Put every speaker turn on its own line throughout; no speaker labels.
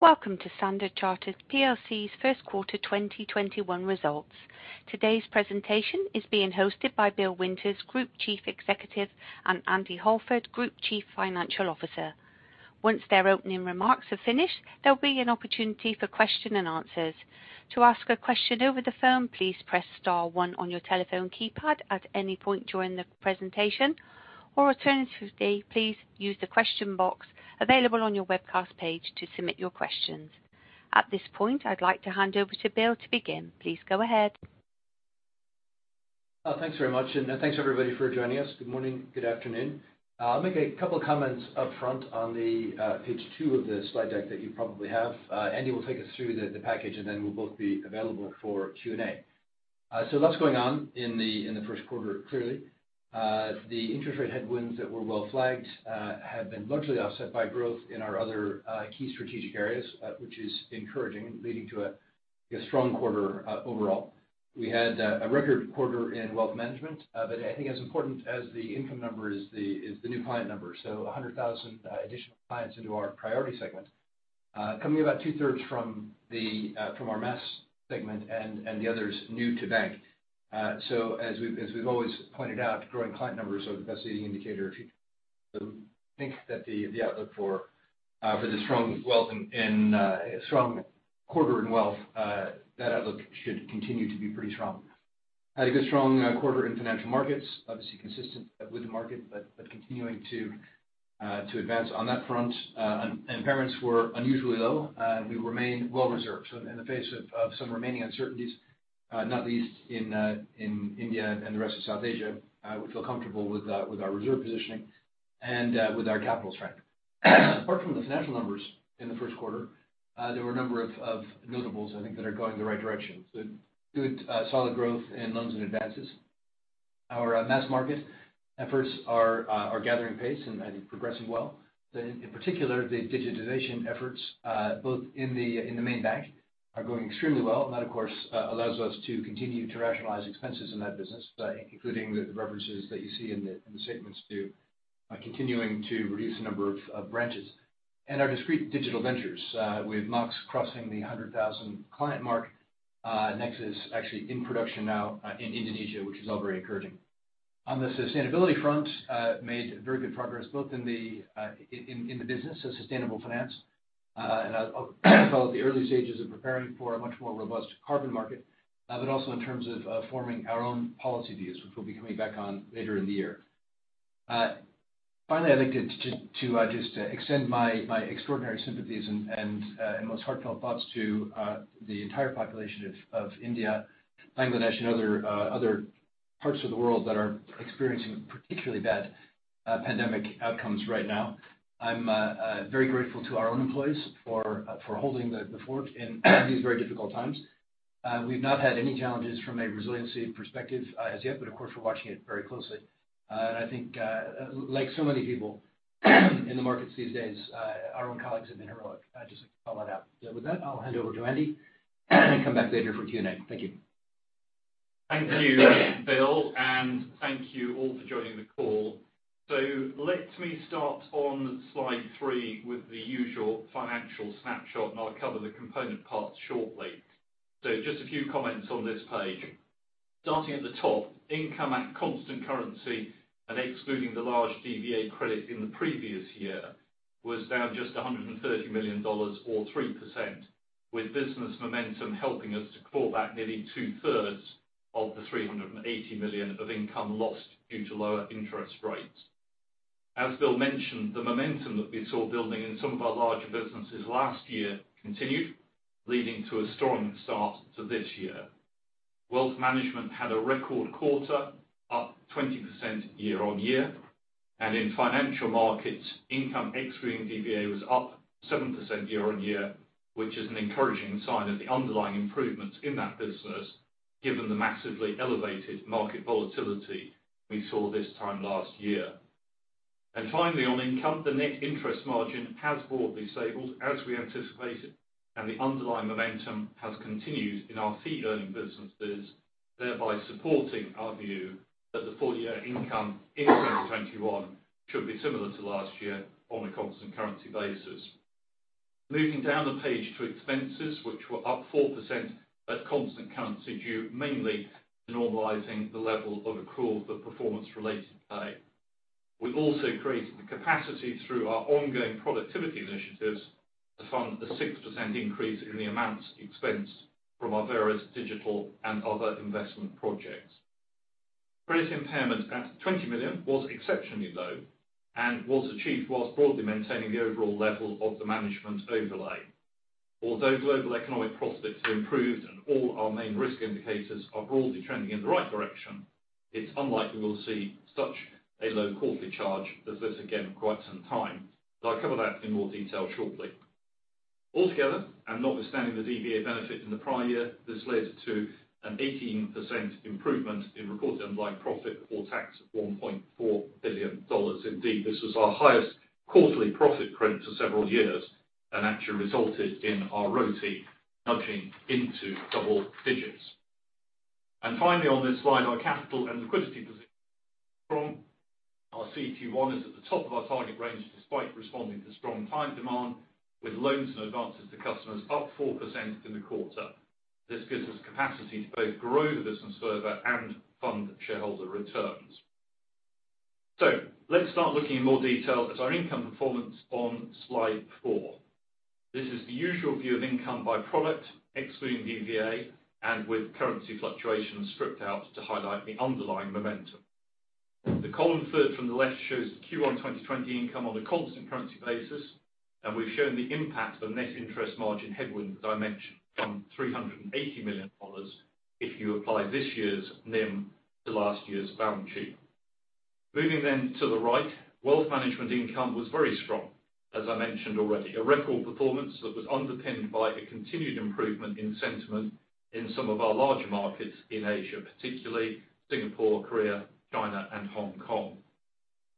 Welcome to Standard Chartered Plc's first quarter 2021 results. Today's presentation is being hosted by Bill Winters, Group Chief Executive, and Andy Halford, Group Chief Financial Officer. Once their opening remarks are finished, there'll be an opportunity for question and answers. To ask a question over the phone, please press star one on your telephone keypad at any point during the presentation, or alternatively, please use the question box available on your webcast page to submit your questions. At this point, I'd like to hand over to Bill to begin. Please go ahead.
Thanks very much, and thanks, everybody, for joining us. Good morning. Good afternoon. I'll make a couple comments up front on page two of the slide deck that you probably have. Andy will take us through the package, and then we'll both be available for Q&A. Lots going on in the first quarter, clearly. The interest rate headwinds that were well flagged have been largely offset by growth in our other key strategic areas, which is encouraging, leading to a strong quarter overall. We had a record quarter in wealth management. I think as important as the income number is the new client number. 100,000 additional clients into our priority segment, coming about 2/3 from our mass segment and the others new to bank. As we've always pointed out, growing client numbers are the best leading indicator of future growth. Think that the outlook for the strong quarter in wealth, that outlook should continue to be pretty strong. Had a good strong quarter in financial markets, obviously consistent with the market, but continuing to advance on that front. Impairments were unusually low. We remain well reserved. In the face of some remaining uncertainties, not least in India and the rest of South Asia, we feel comfortable with our reserve positioning and with our capital strength. Apart from the financial numbers in the first quarter, there were a number of notables I think that are going in the right direction. Good solid growth in loans and advances. Our mass market efforts are gathering pace and I think progressing well. In particular, the digitization efforts, both in the main bank are going extremely well, and that of course, allows us to continue to rationalize expenses in that business, including the references that you see in the statements to continuing to reduce the number of branches. Our discrete digital ventures with Mox crossing the 100,000 client mark. Nexus actually in production now in Indonesia, which is all very encouraging. On the sustainability front, made very good progress both in the business of sustainable finance, as well as the early stages of preparing for a much more robust carbon market, but also in terms of forming our own policy views, which we'll be coming back on later in the year. Finally, I'd like to just extend my extraordinary sympathies and most heartfelt thoughts to the entire population of India, Bangladesh, and other parts of the world that are experiencing particularly bad pandemic outcomes right now. I'm very grateful to our own employees for holding the fort in these very difficult times. We've not had any challenges from a resiliency perspective as yet, but of course, we're watching it very closely. I think like so many people in the markets these days, our own colleagues have been heroic. I'd just like to call that out. With that, I'll hand over to Andy and come back later for Q&A. Thank you.
Thank you, Bill, and thank you all for joining the call. Let me start on slide three with the usual financial snapshot, and I'll cover the component parts shortly. Just a few comments on this page. Starting at the top, income at constant currency and excluding the large DVA credit in the previous year was down just $130 million or 3%, with business momentum helping us to claw back nearly 2/3 of the $380 million of income lost due to lower interest rates. As Bill mentioned, the momentum that we saw building in some of our larger businesses last year continued, leading to a strong start to this year. Wealth management had a record quarter, up 20% year-on-year. In financial markets, income excluding DVA was up 7% year-on-year, which is an encouraging sign of the underlying improvements in that business given the massively elevated market volatility we saw this time last year. Finally, on income, the net interest margin has broadly stable as we anticipated, and the underlying momentum has continued in our fee-earning businesses, thereby supporting our view that the full-year income in 2021 should be similar to last year on a constant currency basis. Moving down the page to expenses, which were up 4% at constant currency due mainly to normalizing the level of accrual for performance-related pay. We've also created the capacity through our ongoing productivity initiatives to fund a 6% increase in the amounts expensed from our various digital and other investment projects. Credit impairment at $20 million was exceptionally low and was achieved whilst broadly maintaining the overall level of the management overlay. Although global economic prospects have improved and all our main risk indicators are broadly trending in the right direction, it's unlikely we'll see such a low quarterly charge as this again quite some time. I'll cover that in more detail shortly. Altogether, and notwithstanding the DVA benefit in the prior year, this led to an 18% improvement in reported underlying profit before tax of $1.4 billion. Indeed, this was our highest quarterly profit credit for several years and actually resulted in our RoTE nudging into double digits. Finally, on this slide, our capital and liquidity position is strong. Our CET1 is at the top of our target range, despite responding to strong client demand, with loans in advance to customers up 4% in the quarter. This gives us capacity to both grow the business further and fund shareholder returns. Let's start looking in more detail at our income performance on slide four. This is the usual view of income by product, excluding DVA, and with currency fluctuations stripped out to highlight the underlying momentum. The column third from the left shows the Q1 2020 income on a constant currency basis, and we've shown the impact of net interest margin headwinds that I mentioned from $380 million if you apply this year's NIM to last year's balance sheet. Moving to the right, wealth management income was very strong. As I mentioned already, a record performance that was underpinned by a continued improvement in sentiment in some of our larger markets in Asia, particularly Singapore, Korea, China, and Hong Kong.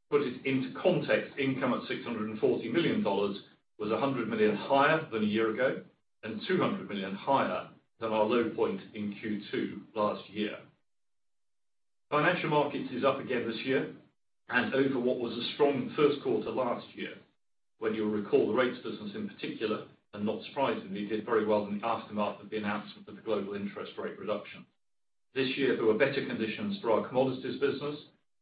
Put it into context, income at $640 million was $100 million higher than a year ago, and $200 million higher than our low point in Q2 last year. Financial markets is up again this year, and over what was a strong first quarter last year. When you recall the rates business in particular, and not surprisingly, did very well in the aftermath of the announcement of the global interest rate reduction. This year, there were better conditions for our commodities business,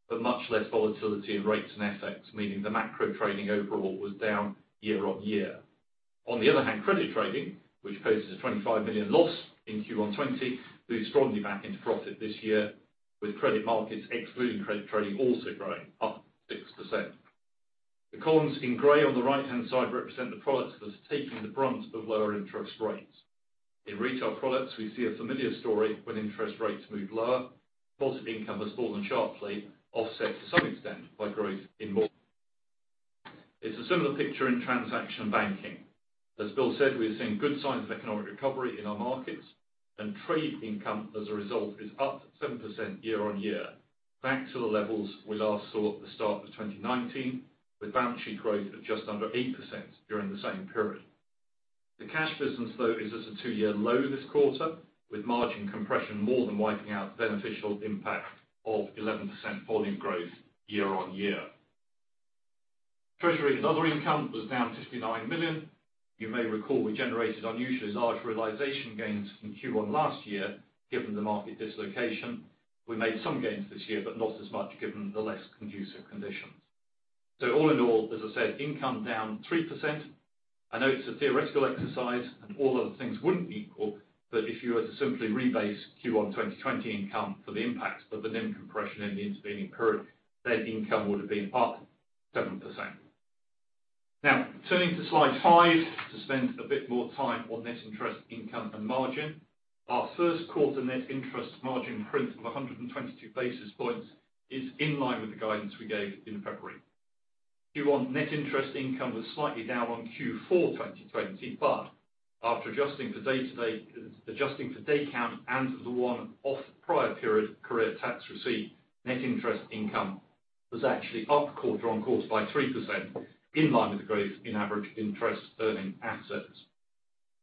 but much less volatility in rates and FX, meaning the macro trading overall was down year-on-year. On the other hand, credit trading, which posted a $25 million loss in Q1 2020, moved strongly back into profit this year, with credit markets excluding credit trading also growing up 6%. The columns in gray on the right-hand side represent the products that are taking the brunt of lower interest rates. In retail products, we see a familiar story when interest rates move lower. Positive income has fallen sharply, offset to some extent by growth in mortgage. It's a similar picture in transaction banking. As Bill said, we are seeing good signs of economic recovery in our markets, and trade income, as a result, is up 7% year-on-year, back to the levels we last saw at the start of 2019, with balance sheet growth at just under 8% during the same period. The cash business, though, is at a two-year low this quarter, with margin compression more than wiping out beneficial impact of 11% volume growth year-on-year. Treasury and other income was down $59 million. You may recall we generated unusually large realization gains in Q1 last year, given the market dislocation. We made some gains this year, not as much, given the less conducive conditions. All in all, as I said, income down 3%. I know it's a theoretical exercise all other things wouldn't be equal. If you were to simply rebase Q1 2020 income for the impacts of the NIM compression in the intervening period, then income would have been up 7%. Turning to slide five to spend a bit more time on net interest income and margin. Our first quarter net interest margin print of 122 basis points is in line with the guidance we gave in February. Q1 net interest income was slightly down on Q4 2020. After adjusting for day count and the one-off prior period Korea tax receipt, net interest income was actually up quarter on quarter by 3%, in line with the growth in average interest earning assets.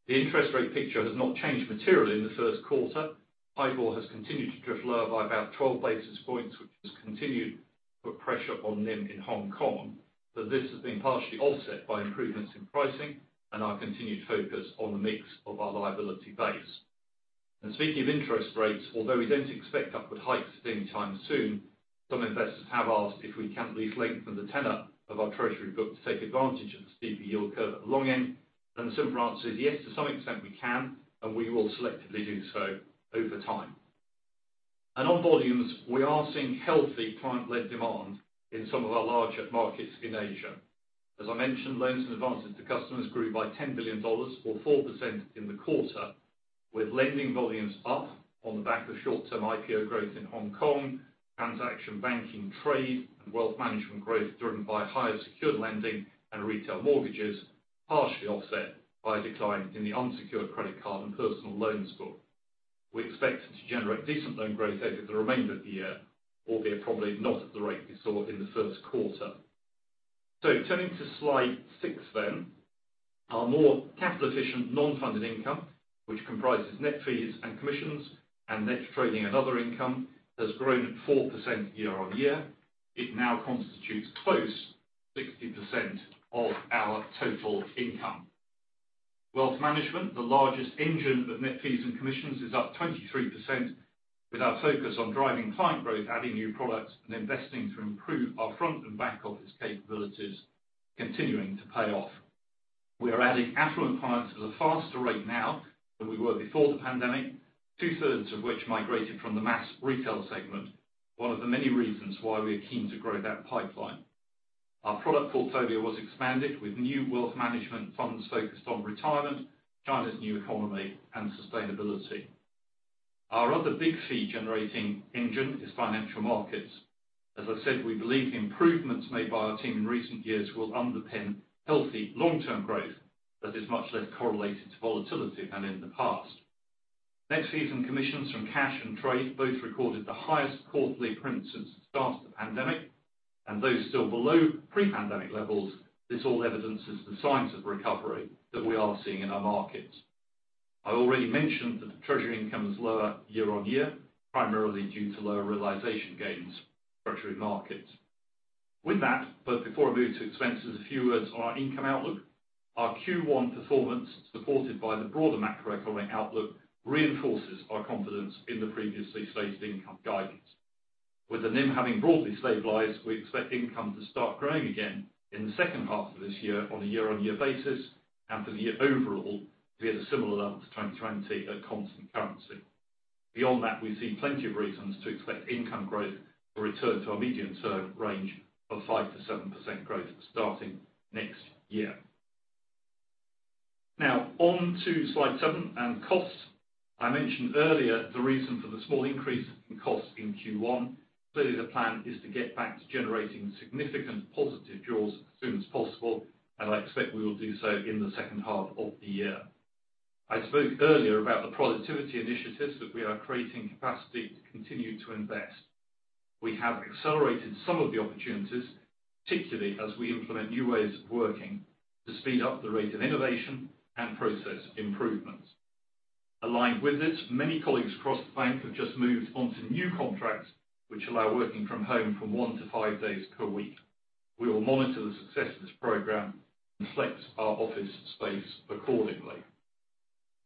The interest rate picture has not changed materially in the first quarter. HIBOR has continued to drift lower by about 12 basis points, which has continued to put pressure on NIM in Hong Kong. This has been partially offset by improvements in pricing and our continued focus on the mix of our liability base. Speaking of interest rates, although we don't expect upward hikes anytime soon, some investors have asked if we can't at least lengthen the tenor of our treasury book to take advantage of the steeper yield curve at the long end. The simple answer is yes, to some extent we can, and we will selectively do so over time. On volumes, we are seeing healthy client-led demand in some of our larger markets in Asia. As I mentioned, loans and advances to customers grew by $10 billion or 4% in the quarter, with lending volumes up on the back of short-term IPO growth in Hong Kong, transaction banking trade and wealth management growth driven by higher secured lending and retail mortgages, partially offset by a decline in the unsecured credit card and personal loans book. We expect to generate decent loan growth over the remainder of the year, albeit probably not at the rate we saw in the first quarter. Turning to slide six then. Our more capital efficient non-funded income, which comprises net fees and commissions and net trading and other income, has grown at 4% year-on-year. It now constitutes close to 60% of our total income. Wealth management, the largest engine of net fees and commissions, is up 23%, with our focus on driving client growth, adding new products, and investing to improve our front and back office capabilities continuing to pay off. We are adding affluent clients at a faster rate now than we were before the pandemic, 2/3 of which migrated from the mass retail segment, one of the many reasons why we are keen to grow that pipeline. Our product portfolio was expanded with new wealth management funds focused on retirement, China's new economy, and sustainability. Our other big fee-generating engine is financial markets. As I said, we believe the improvements made by our team in recent years will underpin healthy long-term growth that is much less correlated to volatility than in the past. Net fees and commissions from cash and trade both recorded the highest quarterly print since the start of the pandemic. Though still below pre-pandemic levels, this all evidences the signs of recovery that we are seeing in our markets. I already mentioned that the treasury income is lower year-on-year, primarily due to lower realization gains, treasury markets. With that, before I move to expenses, a few words on our income outlook. Our Q1 performance, supported by the broader macroeconomic outlook, reinforces our confidence in the previously stated income guidance. With the NIM having broadly stabilized, we expect income to start growing again in the second half of this year on a year-on-year basis, and for the year overall to be at a similar level to 2020 at constant currency. Beyond that, we see plenty of reasons to expect income growth to return to our medium-term range of 5%-7% growth starting next year. On to slide seven and costs. I mentioned earlier the reason for the small increase in cost in Q1. Clearly, the plan is to get back to generating significant positive jaws as soon as possible, and I expect we will do so in the second half of the year. I spoke earlier about the productivity initiatives that we are creating capacity to continue to invest. We have accelerated some of the opportunities, particularly as we implement new ways of working to speed up the rate of innovation and process improvements. Aligned with this, many colleagues across the bank have just moved onto new contracts which allow working from home from one to five days per week. We will monitor the success of this program and flex our office space accordingly.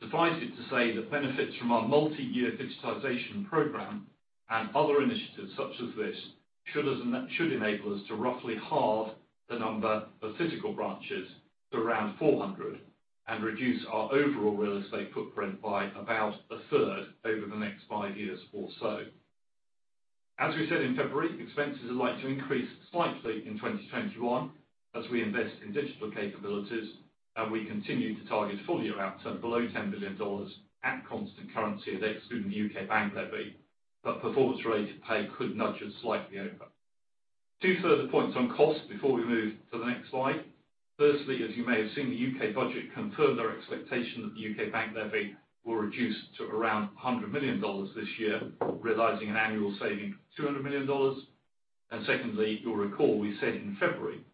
Suffice it to say, the benefits from our multiyear digitization program and other initiatives such as this should enable us to roughly halve the number of physical branches to around 400 and reduce our overall real estate footprint by about 1/3 over the next five years or so. As we said in February, expenses are likely to increase slightly in 2021 as we invest in digital capabilities and we continue to target full-year OpEx below $10 billion at constant currency and excluding the U.K. bank levy, but performance-related pay could nudge us slightly over. Two further points on cost before we move to the next slide. Firstly, as you may have seen, the UK bank levy confirmed our expectation that the UK bank levy will reduce to around $100 million this year, realizing an annual saving of $200 million. Secondly, you'll recall we said in February that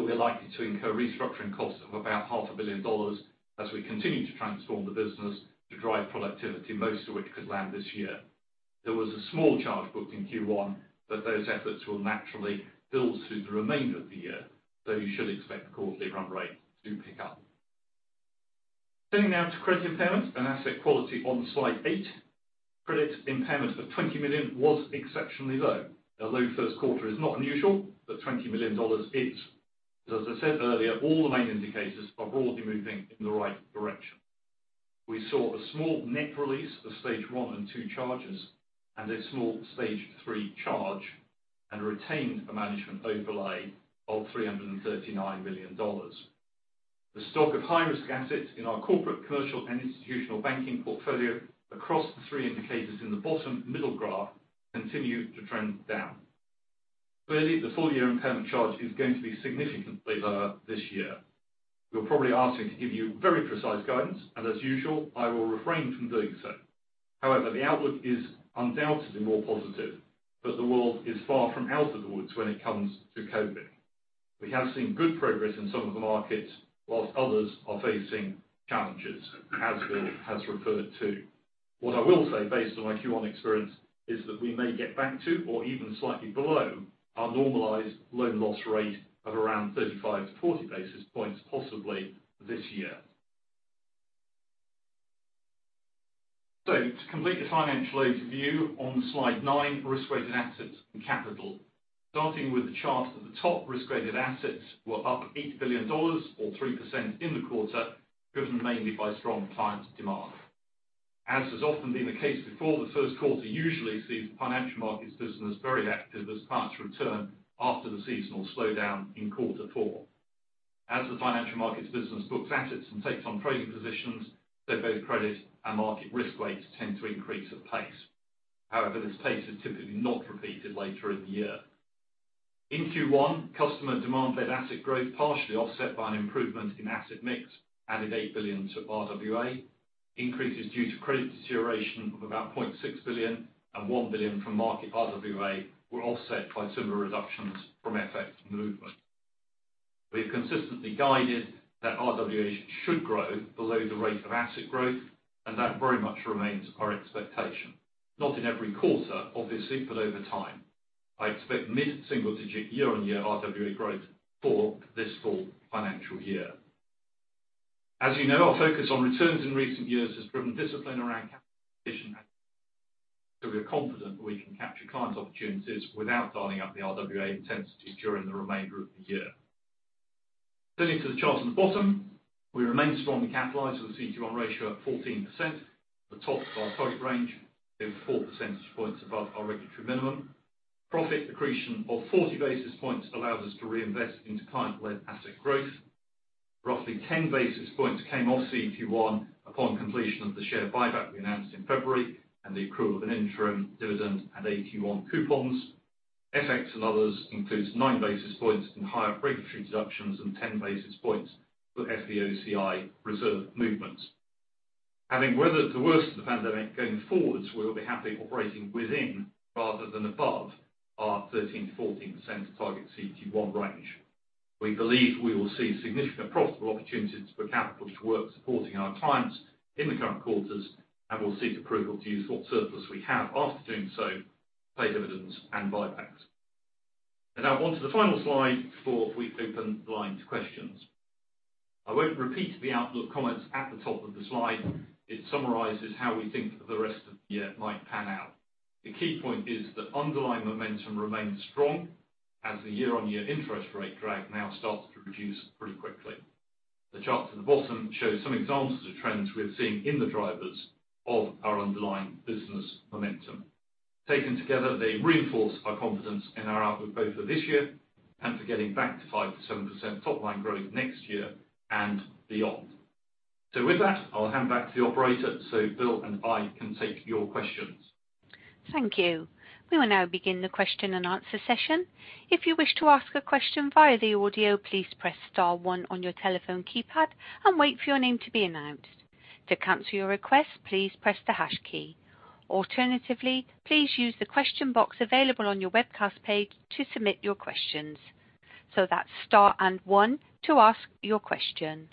we're likely to incur restructuring costs of about $500 million dollars as we continue to transform the business to drive productivity, most of which could land this year. There was a small charge booked in Q1, but those efforts will naturally build through the remainder of the year, so you should expect the quarterly run rate to pick up. Turning now to credit impairment and asset quality on slide 8. Credit impairment of $20 million was exceptionally low. A low first quarter is not unusual, but $20 million is. As I said earlier, all the main indicators are broadly moving in the right direction. We saw a small net release of stage 1 and 2 charges, and a small stage 3 charge, and retained a management overlay of $339 million. The stock of high-risk assets in our corporate, commercial, and institutional banking portfolio across the three indicators in the bottom middle graph continue to trend down. Clearly, the full-year impairment charge is going to be significantly lower this year. You're probably asking to give you very precise guidance, and as usual, I will refrain from doing so. However, the outlook is undoubtedly more positive, but the world is far from out of the woods when it comes to COVID. We have seen good progress in some of the markets, whilst others are facing challenges, as Bill has referred to. What I will say based on my Q1 experience is that we may get back to or even slightly below our normalized loan loss rate of around 35 basis points-40 basis points possibly this year. To complete the financial overview on slide nine, risk-weighted assets and capital. Starting with the chart at the top, risk-weighted assets were up $8 billion or 3% in the quarter, driven mainly by strong client demand. As has often been the case before, the first quarter usually sees the financial markets business very active as clients return after the seasonal slowdown in Q4. As the financial markets business books assets and takes on trading positions, both credit and market risk weights tend to increase apace. However, this pace is typically not repeated later in the year. In Q1, customer demand led asset growth partially offset by an improvement in asset mix, added $8 billion to RWA. Increases due to credit deterioration of about $0.6 billion and $1 billion from market RWA were offset by similar reductions from FX movement. We have consistently guided that RWAs should grow below the rate of asset growth. That very much remains our expectation. Not in every quarter, obviously, but over time. I expect mid-single digit year-on-year RWA growth for this full financial year. As you know, our focus on returns in recent years has driven discipline around capital position. We are confident we can capture client opportunities without dialing up the RWA intensity during the remainder of the year. Turning to the chart on the bottom, we remain strongly capitalized with CET1 ratio at 14%, the top of our target range is 4 percentage points above our regulatory minimum. Profit accretion of 40 basis points allows us to reinvest into client-led asset growth. Roughly 10 basis points came off CET1 upon completion of the share buyback we announced in February, and the accrual of an interim dividend and AT1 coupons. FX and others includes nine basis points in higher regulatory deductions and 10 basis points for FVOCI reserve movements. Having weathered the worst of the pandemic, going forwards, we will be happily operating within rather than above our 13%-14% target CET1 range. We believe we will see significant profitable opportunities for capital to work supporting our clients in the current quarters, and we'll seek approval to use what surplus we have. After doing so, pay dividends and buybacks. Now on to the final slide before we open the line to questions. I won't repeat the outlook comments at the top of the slide. It summarizes how we think the rest of the year might pan out. The key point is that underlying momentum remains strong as the year-on-year interest rate drag now starts to reduce pretty quickly. The chart at the bottom shows some examples of trends we are seeing in the drivers of our underlying business momentum. Taken together, they reinforce our confidence in our outlook both for this year and for getting back to 5%-7% top-line growth next year and beyond. With that, I'll hand back to the operator so Bill and I can take your questions.
Thank you. We will now begin the question and answer session. If you wish to ask your question via the audio press star one on your telephone keypad and wait for your name to be announced. To cancel your request press the hash key, alternatively, please use the question box available on your webcast page to submit your question. So that's star one to ask your question.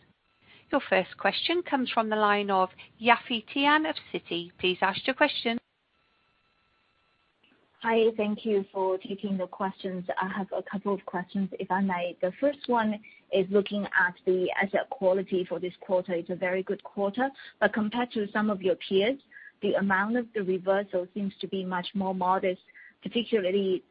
Your first question comes from the line of Yafei Tian of Citi. Please ask your question.
Hi. Thank you for taking the questions. I have a couple of questions, if I may. The first one is looking at the asset quality for this quarter. It's a very good quarter, compared to some of your peers, the amount of the reversal seems to be much more modest, particularly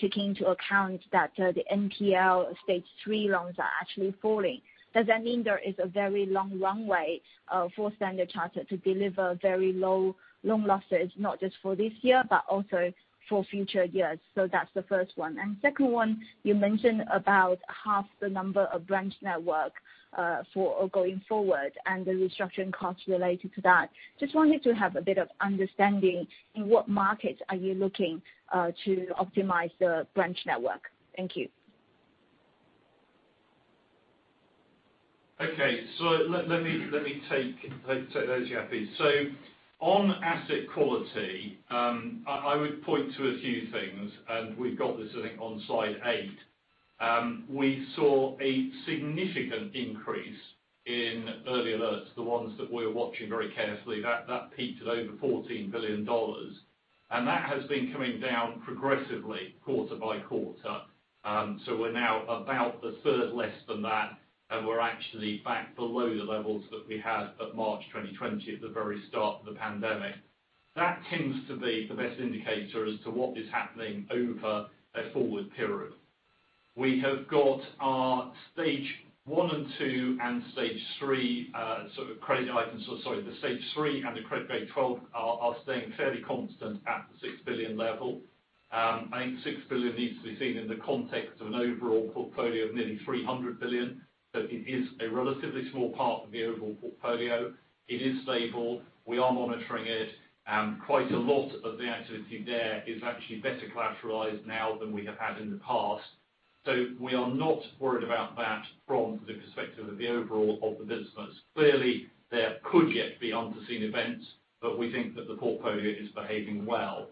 taking into account that the NPL stage 3 loans are actually falling. Does that mean there is a very long runway for Standard Chartered to deliver very low loan losses, not just for this year, but also for future years? That's the first one. Second one, you mentioned about half the number of branch network going forward and the restructuring costs related to that. Just wanted to have a bit of understanding, in what markets are you looking to optimize the branch network? Thank you.
Okay. Let me take those, Yafei. On asset quality, I would point to a few things, and we've got this, I think, on slide eight. We saw a significant increase in early alerts, the ones that we're watching very carefully. That peaked at over $14 billion. That has been coming down progressively quarter by quarter. We're now about 1/3 less than that, and we're actually back below the levels that we had at March 2020 at the very start of the pandemic. That tends to be the best indicator as to what is happening over a forward period. We have got our stage 1 and 2 and stage 3 sort of credit items. Sorry. The stage 3 and the Credit Grade 12 are staying fairly constant at the $6 billion level. I think $6 billion needs to be seen in the context of an overall portfolio of nearly $300 billion. It is a relatively small part of the overall portfolio. It is stable. We are monitoring it. Quite a lot of the activity there is actually better collateralized now than we have had in the past. We are not worried about that from the perspective of the overall of the business. Clearly, there could yet be unforeseen events, but we think that the portfolio is behaving well.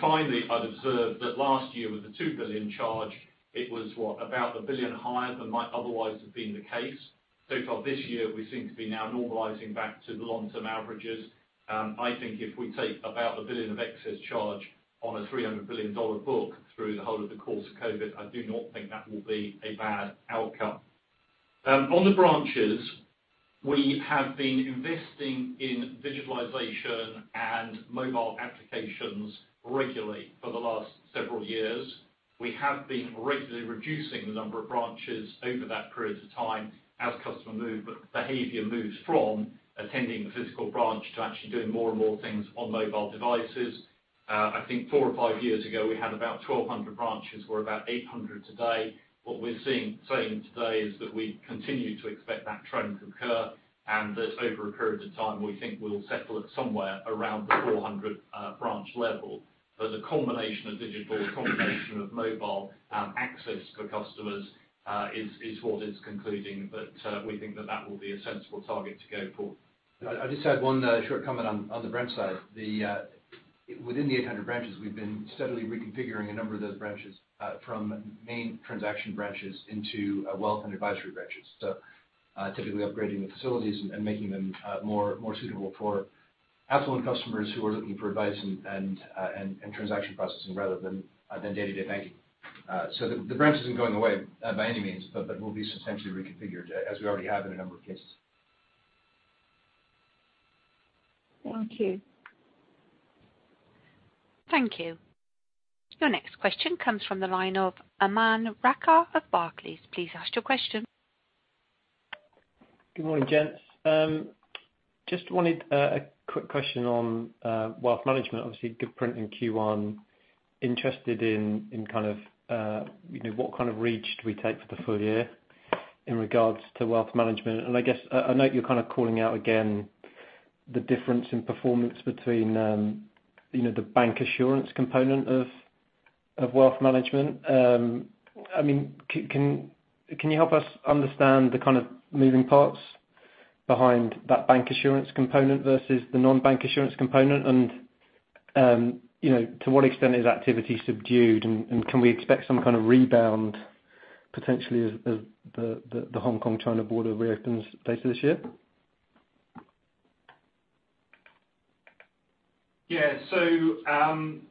Finally, I'd observe that last year with the $2 billion charge, it was, what? About $1 billion higher than might otherwise have been the case. So far this year, we seem to be now normalizing back to the long-term averages. I think if we take about $1 billion of excess charge on a $300 billion book through the whole of the course of COVID, I do not think that will be a bad outcome. On the branches, we have been investing in digitalization and mobile applications regularly for the last several years. We have been regularly reducing the number of branches over that period of time as customer behavior moves from attending the physical branch to actually doing more and more things on mobile devices. I think four or five years ago, we had about 1,200 branches. We're about 800 today. What we're saying today is that we continue to expect that trend to occur, and that over a period of time, we think we'll settle at somewhere around the 400 branch level. The combination of digital, the combination of mobile access for customers is what is concluding. We think that that will be a sensible target to go for.
I just had one short comment on the branch side. Within the 800 branches, we've been steadily reconfiguring a number of those branches from main transaction branches into wealth and advisory branches. Typically upgrading the facilities and making them more suitable for affluent customers who are looking for advice and transaction processing rather than day-to-day banking. The branch isn't going away by any means, but will be substantially reconfigured as we already have in a number of cases.
Thank you.
Thank you. Your next question comes from the line of Aman Rakkar of Barclays. Please ask your question.
Good morning, gents. Just wanted a quick question on wealth management. Obviously good print in Q1. Interested in what kind of reach do we take for the full year in regards to wealth management? I guess I note you're kind of calling out again the difference in performance between the bancassurance component of wealth management. Can you help us understand the kind of moving parts behind that bancassurance component versus the non-bancassurance component? To what extent is activity subdued, and can we expect some kind of rebound potentially as the Hong Kong China border reopens later this year?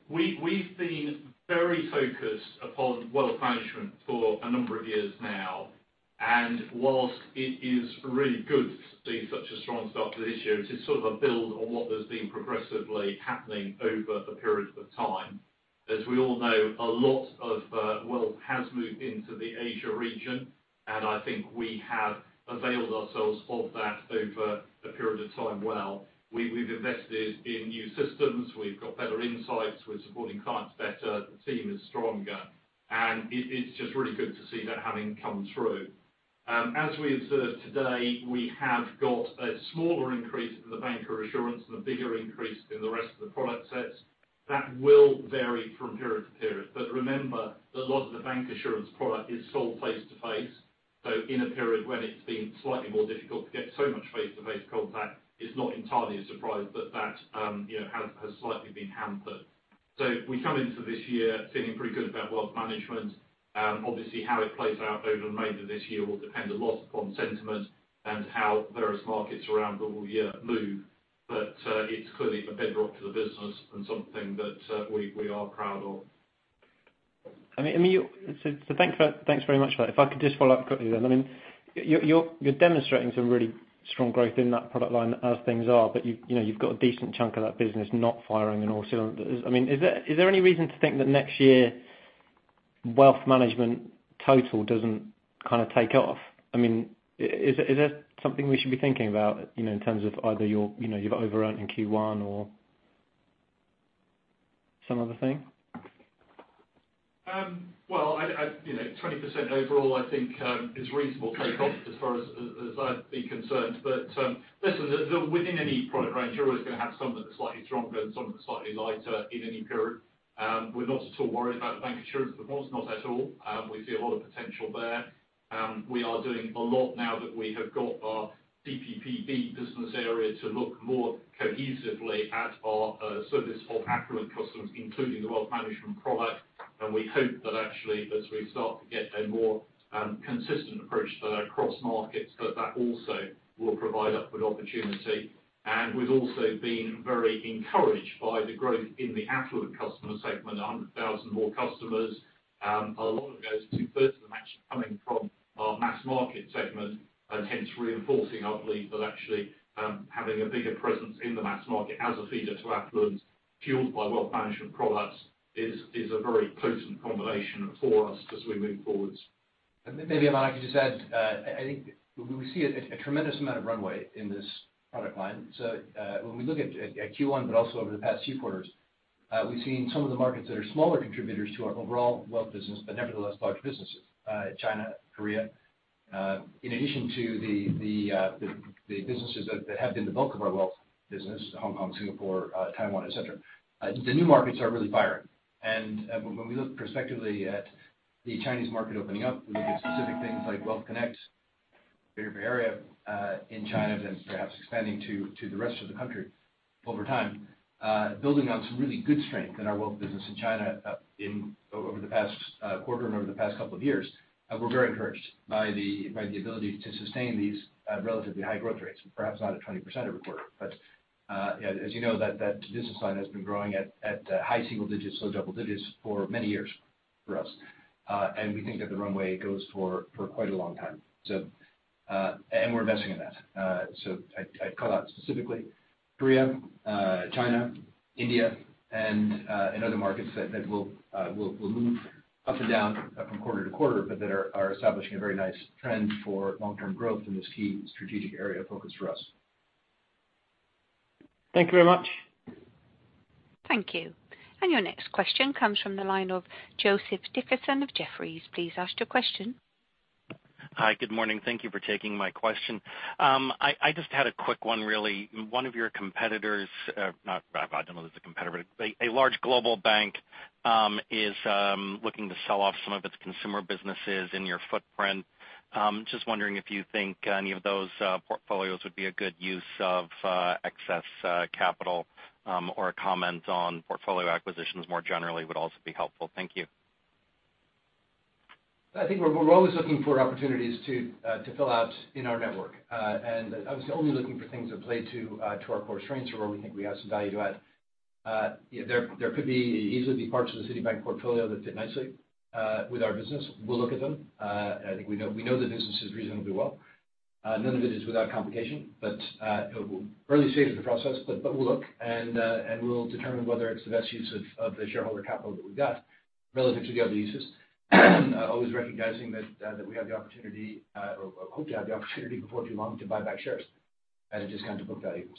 We've been very focused upon wealth management for a number of years now. While it is really good to see such a strong start to this year, it is sort of a build on what has been progressively happening over a period of time. As we all know, a lot of wealth has moved into the Asia region, and I think we have availed ourselves of that over a period of time well. We've invested in new systems. We've got better insights. We're supporting clients better. The team is stronger. It's just really good to see that having come through. As we observed today, we have got a smaller increase in the banker assurance and a bigger increase in the rest of the product sets. That will vary from period to period. Remember that a lot of the bancassurance product is sold face-to-face. In a period when it's been slightly more difficult to get so much face-to-face contact, it's not entirely a surprise that has slightly been hampered. We come into this year feeling pretty good about wealth management. Obviously, how it plays out over the remainder of this year will depend a lot upon sentiment and how various markets around the world move. It's clearly a bedrock to the business and something that we are proud of.
Thanks very much for that. If I could just follow up quickly then. You're demonstrating some really strong growth in that product line as things are, but you've got a decent chunk of that business not firing on all cylinders. Is there any reason to think that next year wealth management total doesn't kind of take off? Is that something we should be thinking about, in terms of either you've overearned in Q1 or some other thing?
Well, 20% overall I think is reasonable takeoff as far as I'd be concerned. Listen, within any product range, you're always going to have some that are slightly stronger and some that are slightly lighter in any period. We're not at all worried about bancassurance performance. Not at all. We see a lot of potential there. We are doing a lot now that we have got our CPBB business area to look more cohesively at our service for affluent customers, including the wealth management product. We hope that actually, as we start to get a more consistent approach there across markets, that that also will provide upward opportunity. We've also been very encouraged by the growth in the affluent customer segment, 100,000 more customers. A lot of those, 2/3 of them, actually are coming from our mass market segment, hence reinforcing our belief that actually having a bigger presence in the mass market as a feeder to affluents fueled by wealth management products is a very potent combination for us as we move forward.
Maybe, Aman, I could just add. I think we see a tremendous amount of runway in this product line. When we look at Q1, but also over the past two quarters, we've seen some of the markets that are smaller contributors to our overall wealth business, but nevertheless, large businesses, China, Korea, in addition to the businesses that have been the bulk of our wealth business, Hong Kong, Singapore, Taiwan, et cetera. The new markets are really firing. When we look prospectively at the Chinese market opening up, we look at specific things like Wealth Management Connect, bigger area in China than perhaps expanding to the rest of the country over time. Building on some really good strength in our wealth business in China over the past quarter and over the past couple of years. We're very encouraged by the ability to sustain these relatively high growth rates. Perhaps not at 20% every quarter, but as you know, that business line has been growing at high single digits, low double digits for many years for us. We think that the runway goes for quite a long time. We're investing in that. I'd call out specifically Korea, China, India, and other markets that will move up and down from quarter to quarter, but that are establishing a very nice trend for long-term growth in this key strategic area of focus for us.
Thank you very much.
Thank you. Your next question comes from the line of Joseph Dickerson of Jefferies. Please ask your question.
Hi. Good morning. Thank you for taking my question. I just had a quick one, really. One of your competitors, I don't know if it's a competitor, but a large global bank is looking to sell off some of its consumer businesses in your footprint. Just wondering if you think any of those portfolios would be a good use of excess capital, or a comment on portfolio acquisitions more generally would also be helpful. Thank you.
I think we're always looking for opportunities to fill out in our network. Obviously only looking for things that play to our core strengths, where we think we have some value to add. There could easily be parts of the Citibank portfolio that fit nicely with our business. We'll look at them. I think we know the businesses reasonably well. None of it is without complication. Early stages of the process, but we'll look, and we'll determine whether it's the best use of the shareholder capital that we've got relative to the other uses. Always recognizing that we have the opportunity, or hope to have the opportunity before too long to buy back shares at a discount to book value.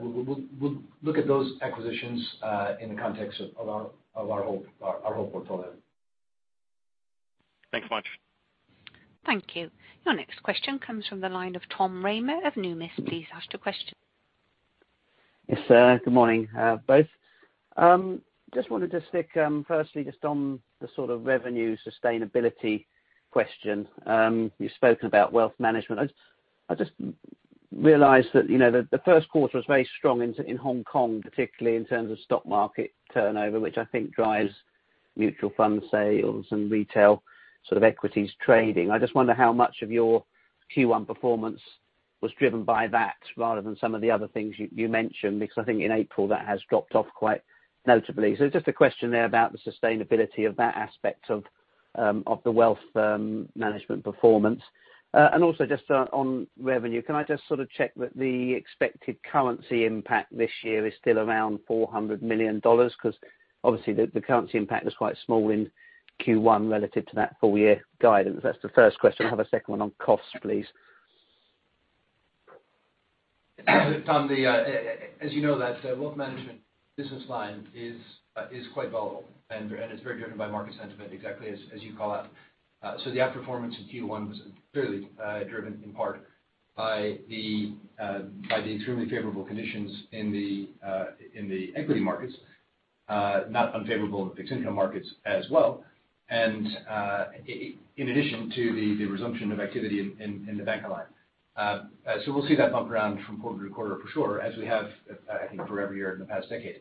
We'll look at those acquisitions in the context of our whole portfolio. Thanks much.
Thank you. Your next question comes from the line of Tom Rayner of Numis. Please ask the question.
Yes, good morning, both. Wanted to stick firstly just on the sort of revenue sustainability question. You've spoken about wealth management. I just realized that the first quarter was very strong in Hong Kong, particularly in terms of stock market turnover, which I think drives mutual fund sales and retail sort of equities trading. Wonder how much of your Q1 performance was driven by that rather than some of the other things you mentioned, because I think in April that has dropped off quite notably. Just a question there about the sustainability of that aspect of the wealth management performance. Also just on revenue, can I just sort of check that the expected currency impact this year is still around $400 million? Because obviously the currency impact was quite small in Q1 relative to that full-year guidance. That's the first question. I have a second one on costs, please.
Tom, as you know, that wealth management business line is quite volatile and is very driven by market sentiment exactly as you call out. The outperformance in Q1 was clearly driven in part by the extremely favorable conditions in the equity markets, not unfavorable in fixed income markets as well, and in addition to the resumption of activity in the banca line. We'll see that bump around from quarter to quarter for sure, as we have, I think, for every year in the past decade.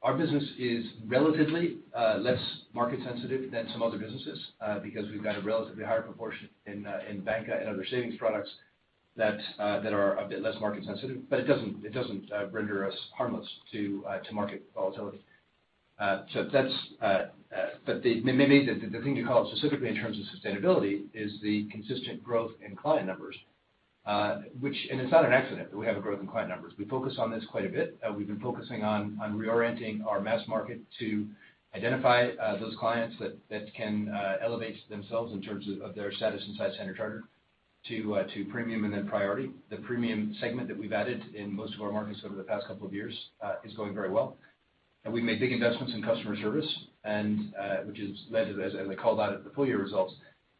Our business is relatively less market sensitive than some other businesses, because we've got a relatively higher proportion in banca and other savings products that are a bit less market sensitive. It doesn't render us harmless to market volatility. Maybe the thing you called specifically in terms of sustainability is the consistent growth in client numbers. It's not an accident that we have a growth in client numbers. We focus on this quite a bit. We've been focusing on reorienting our mass market to identify those clients that can elevate themselves in terms of their status inside Standard Chartered to premium and then priority. The premium segment that we've added in most of our markets over the past couple of years is going very well. We made big investments in customer service, which has led to, as I called out at the full year results,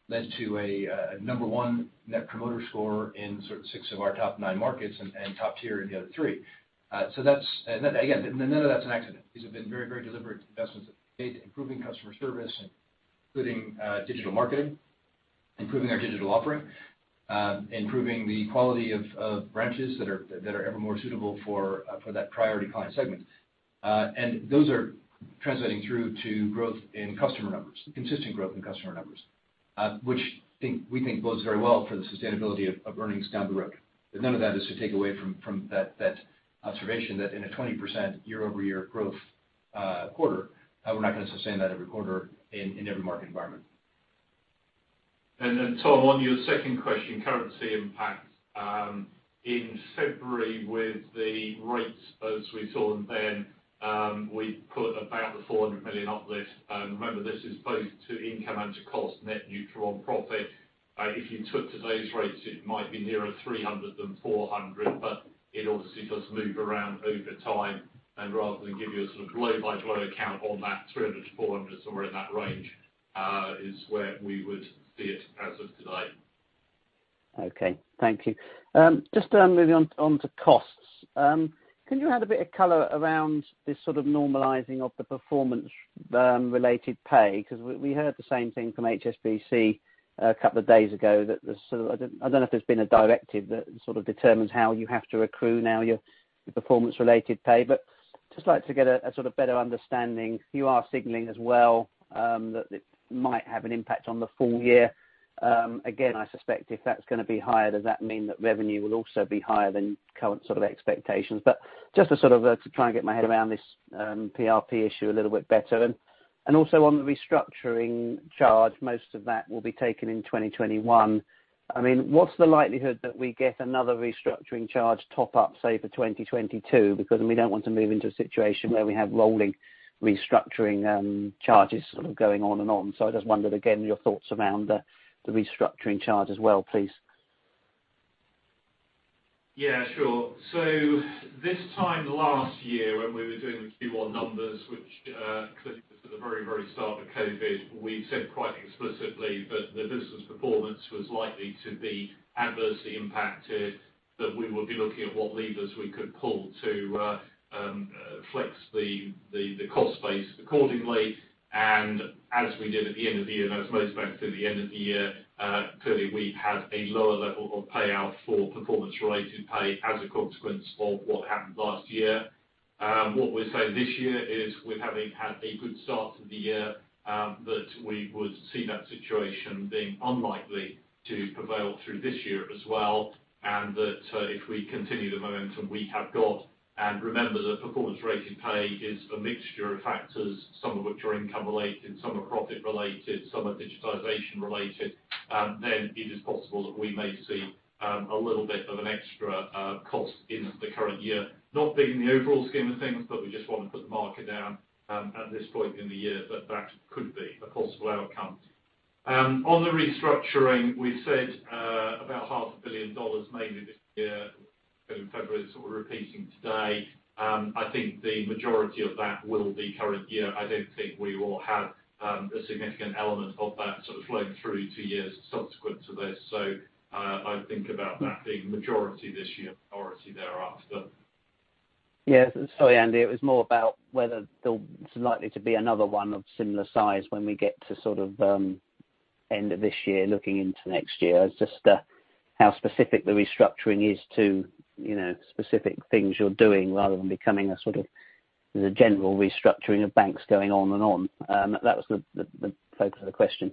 led to a number one net promoter score in six of our top nine markets, and top tier in the other three. Again, none of that's an accident. These have been very deliberate investments that we've made in improving customer service, including digital marketing, improving our digital offering, improving the quality of branches that are ever more suitable for that priority client segment. Those are translating through to growth in customer numbers, consistent growth in customer numbers, which we think bodes very well for the sustainability of earnings down the road. None of that is to take away from that observation that in a 20% YoY growth quarter, we're not going to sustain that every quarter in every market environment.
Tom, on your second question, currency impact. In February with the rates as we saw them then, we put about the 400 million uplift. Remember, this is both to income and to cost net neutral on profit. If you took today's rates, it might be nearer 300 than 400, it obviously does move around over time. Rather than give you a sort of blow-by-blow account on that 300-400, somewhere in that range is where we would see it as of today.
Okay. Thank you. Just moving on to costs. Can you add a bit of color around this sort of normalizing of the performance-related pay? Because we heard the same thing from HSBC a couple of days ago that there's sort of I don't know if there's been a directive that sort of determines how you have to accrue now your performance-related pay. Just like to get a sort of better understanding. You are signaling as well that it might have an impact on the full year. Again, I suspect if that's going to be higher, does that mean that revenue will also be higher than current sort of expectations? Just to sort of try and get my head around this PRP issue a little bit better. Also on the restructuring charge, most of that will be taken in 2021. What's the likelihood that we get another restructuring charge top up, say, for 2022? We don't want to move into a situation where we have rolling restructuring charges sort of going on and on. I just wondered again, your thoughts around the restructuring charge as well, please.
Yeah, sure. This time last year when we were doing the Q1 numbers, which clearly was at the very start of COVID, we said quite explicitly that the business performance was likely to be adversely impacted, that we would be looking at what levers we could pull to flex the cost base accordingly. As we did at the end of the year, and as most banks did at the end of the year, clearly we had a lower level of payout for performance-related pay as a consequence of what happened last year. What we're saying this year is with having had a good start to the year, that we would see that situation being unlikely to prevail through this year as well, and that if we continue the momentum we have got. Remember that performance-related pay is a mixture of factors, some of which are income related, some are profit related, some are digitization related. It is possible that we may see a little bit of an extra cost in the current year. Not big in the overall scheme of things, but we just want to put the marker down at this point in the year that could be a possible outcome. On the restructuring, we've said about $500 million dollars mainly this year. In February, sort of repeating today, I think the majority of that will be current year. I don't think we will have a significant element of that sort of flowing through to years subsequent to this. I think about that being majority this year, minority thereafter.
Yes. Sorry, Andy, it was more about whether there's likely to be another one of similar size when we get to end of this year, looking into next year. Just how specific the restructuring is to specific things you're doing rather than becoming a sort of general restructuring of banks going on and on. That was the focus of the question.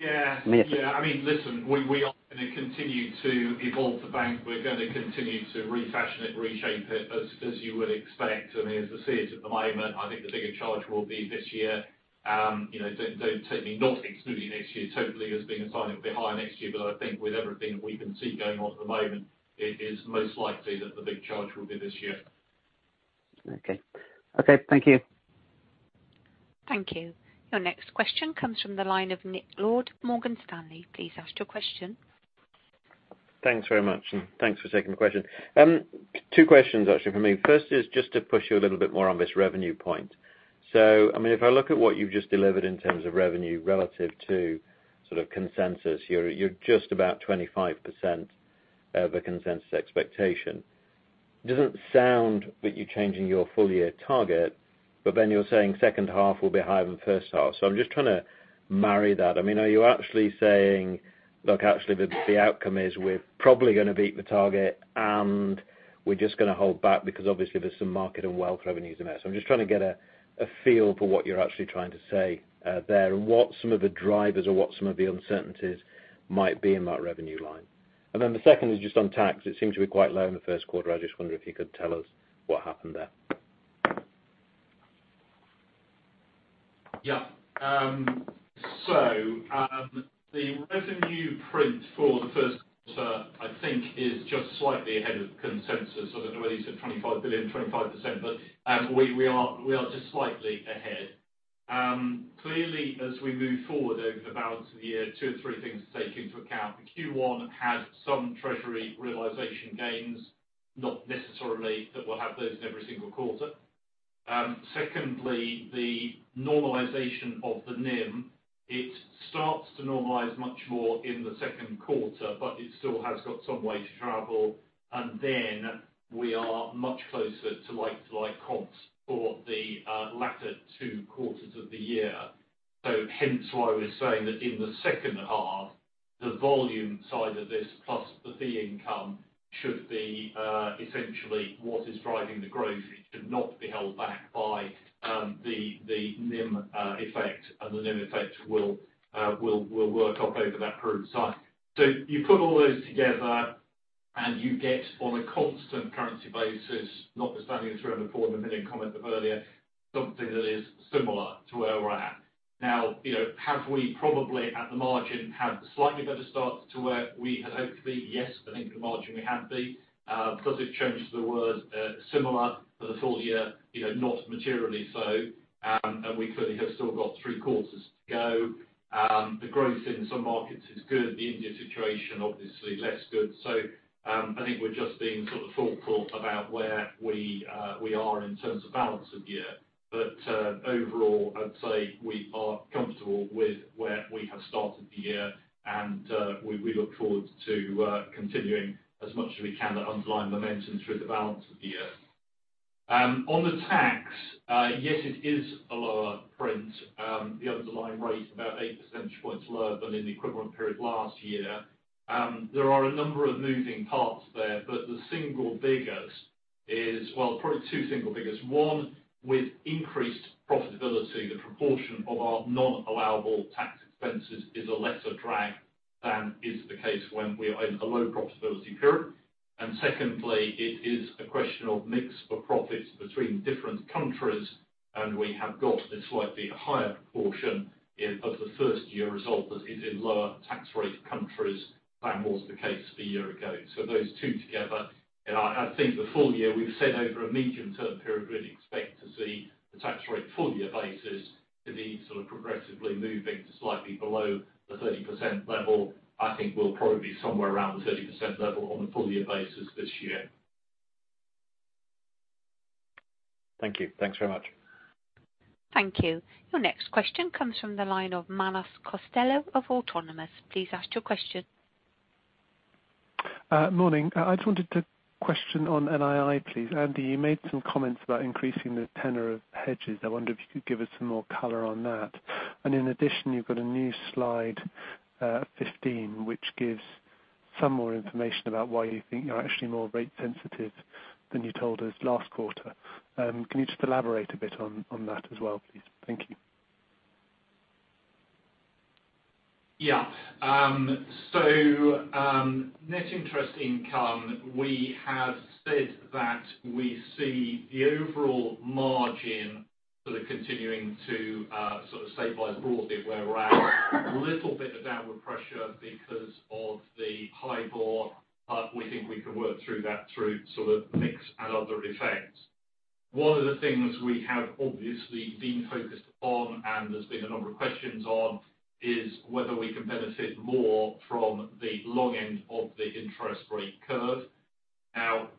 Yeah.
If-
Yeah. Listen, we are going to continue to evolve the bank. We're going to continue to refashion it, reshape it as you would expect. As we see it at the moment, I think the bigger charge will be this year. Certainly not excluding next year totally as being a sign of behind next year. I think with everything that we can see going on at the moment, it is most likely that the big charge will be this year.
Okay. Thank you.
Thank you. Your next question comes from the line of Nick Lord, Morgan Stanley. Please ask your question.
Thanks very much. Thanks for taking the question. Two questions actually for me. First is just to push you a little bit more on this revenue point. If I look at what you've just delivered in terms of revenue relative to consensus, you're just about 25% over consensus expectation. It doesn't sound that you're changing your full year target, but then you're saying second half will be higher than first half. I'm just trying to marry that. Are you actually saying, look, actually the outcome is we're probably going to beat the target and we're just going to hold back because obviously there's some market and wealth revenues in there. I'm just trying to get a feel for what you're actually trying to say there, and what some of the drivers or what some of the uncertainties might be in that revenue line. The second is just on tax. It seems to be quite low in the first quarter. I just wonder if you could tell us what happened there?
Yeah. The revenue print for the first quarter, I think is just slightly ahead of consensus. I don't know whether you said $25 billion, 25%, we are just slightly ahead. Clearly, as we move forward over the balance of the year, two or three things to take into account. The Q1 had some treasury realization gains, not necessarily that we'll have those in every single quarter. Secondly, the normalization of the NIM. It starts to normalize much more in the second quarter, it still has got some way to travel. We are much closer to like comp for the latter two quarters of the year. Hence why we're saying that in the second half, the volume side of this plus the fee income should be essentially what is driving the growth. It should not be held back by the NIM effect, and the NIM effect will work up over that period of time. You put all those together and you get on a constant currency basis, notwithstanding the $340 million comment of earlier, something that is similar to where we're at. Now, have we probably, at the margin, had a slightly better start to where we had hoped to be? Yes, I think at the margin we have been. Does it change the word similar for the full year? Not materially so. We clearly have still got three quarters to go. The growth in some markets is good. The India situation, obviously less good. I think we're just being thoughtful about where we are in terms of balance of year. Overall, I'd say we are comfortable with where we have started the year, and we look forward to continuing as much as we can the underlying momentum through the balance of the year. On the tax, yes, it is a lower print. The underlying rate, about 8 percentage points lower than in the equivalent period last year. There are a number of moving parts there, but the single biggest is, well, probably two single biggest. One, with increased profitability, the proportion of our non-allowable tax expenses is a lesser drag than is the case when we are in a low profitability period. Secondly, it is a question of mix of profits between different countries, and we have got a slightly higher proportion of the first year result that is in lower tax rate countries than was the case a year ago. Those two together. I think the full year, we've said over a medium term period, we'd expect to see the tax rate full year basis to be progressively moving to slightly below the 30% level. I think we'll probably be somewhere around the 30% level on a full year basis this year.
Thank you. Thanks very much.
Thank you. Your next question comes from the line of Manus Costello of Autonomous. Please ask your question.
Morning. I just wanted to question on NII, please. Andy, you made some comments about increasing the tenor of hedges. I wonder if you could give us some more color on that. In addition, you've got a new slide 15, which gives some more information about why you think you're actually more rate sensitive than you told us last quarter. Can you just elaborate a bit on that as well, please? Thank you.
Yeah. Net interest income, we have said that we see the overall margin sort of continuing to stabilize broadly where we're at. A little bit of downward pressure because of the HIBOR, we think we can work through that through sort of mix and other effects. One of the things we have obviously been focused on, and there's been a number of questions on, is whether we can benefit more from the long end of the interest rate curve.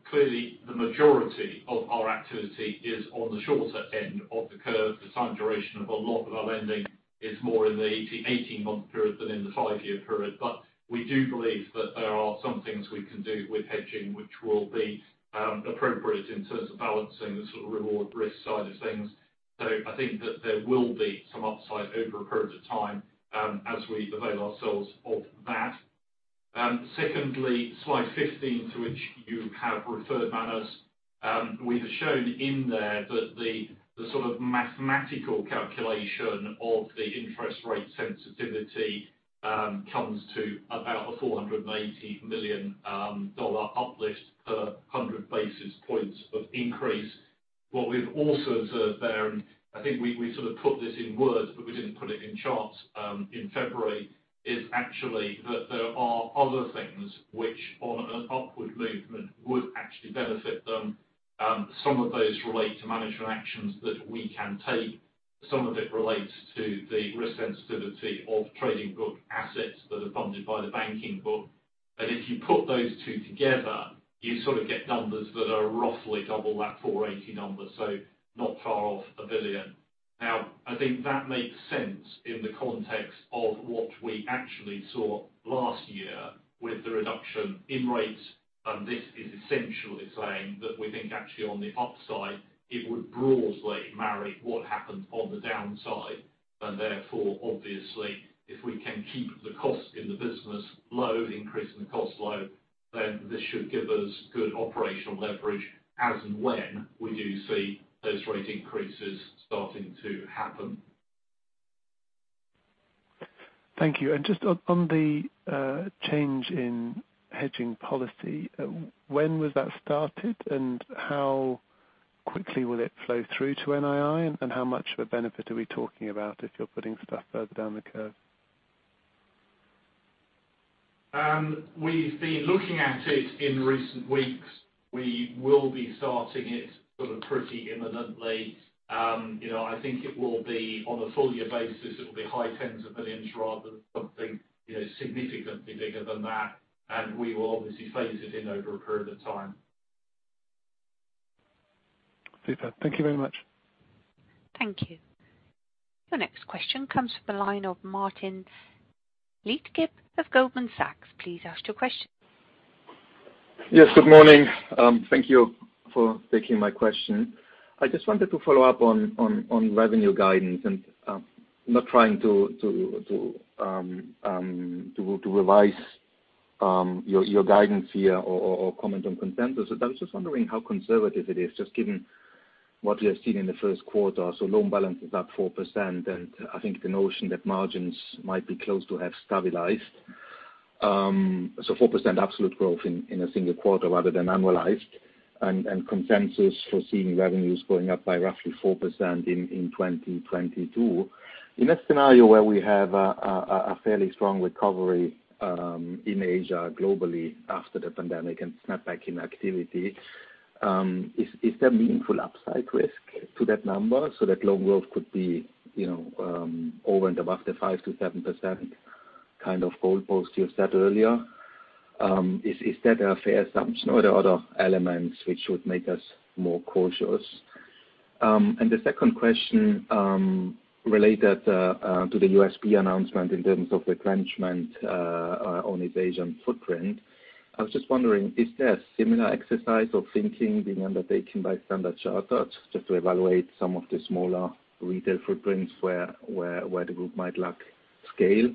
Clearly, the majority of our activity is on the shorter end of the curve. The time duration of a lot of our lending is more in the 18-month period than in the five-year period. We do believe that there are some things we can do with hedging, which will be appropriate in terms of balancing the sort of reward risk side of things. I think that there will be some upside over a period of time as we avail ourselves of that. Secondly, slide 15, to which you have referred, Manus. We have shown in there that the mathematical calculation of the interest rate sensitivity comes to about a $480 million uplift per 100 basis points of increase. What we've also observed there, and I think we sort of put this in words, but we didn't put it in charts in February, is actually that there are other things which on an upward movement would actually benefit them. Some of those relate to management actions that we can take. Some of it relates to the risk sensitivity of trading book assets that are funded by the banking book. If you put those two together, you sort of get numbers that are roughly double that $480, so not far off $1 billion. I think that makes sense in the context of what we actually saw last year with the reduction in rates, and this is essentially saying that we think actually on the upside it would broadly marry what happened on the downside. Therefore, obviously, if we can keep the cost in the business low, the increase in the cost low, then this should give us good operational leverage as and when we do see those rate increases starting to happen.
Thank you. Just on the change in hedging policy, when was that started? How quickly will it flow through to NII? How much of a benefit are we talking about if you're putting stuff further down the curve?
We've been looking at it in recent weeks. We will be starting it pretty imminently. I think it will be on a full year basis. It'll be high tens of millions GBP rather than something significantly bigger than that. We will obviously phase it in over a period of time.
Super. Thank you very much.
Thank you. Your next question comes from the line of Martin Leitgeb of Goldman Sachs. Please ask your question.
Yes, good morning. Thank you for taking my question. I just wanted to follow up on revenue guidance and not trying to revise your guidance here or comment on consensus, but I was just wondering how conservative it is, just given what we have seen in the first quarter. Loan balance is up 4%, and I think the notion that margins might be close to have stabilized. 4% absolute growth in a single quarter rather than annualized and consensus foreseeing revenues going up by roughly 4% in 2022. In a scenario where we have a fairly strong recovery in Asia globally after the pandemic and snapback in activity, is there meaningful upside risk to that number so that loan growth could be over and above the 5%-7% kind of goalpost you said earlier? Is that a fair assumption or are there other elements which would make us more cautious? The second question related to the Citi announcement in terms of retrenchment on its Asian footprint. I was just wondering, is there a similar exercise of thinking being undertaken by Standard Chartered just to evaluate some of the smaller retail footprints where the group might lack scale?